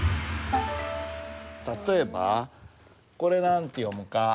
例えばこれ何て読むか？